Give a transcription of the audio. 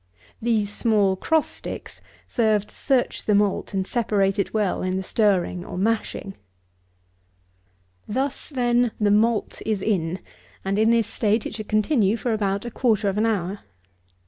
These small cross sticks serve to search the malt and separate it well in the stirring or mashing. Thus, then, the malt is in; and in this state it should continue for about a quarter of an hour.